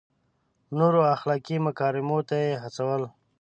نورو اخلاقي مکارمو ته یې هڅول.